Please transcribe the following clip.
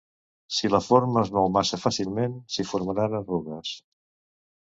Si la forma es mou massa fàcilment, s'hi formaran arrugues.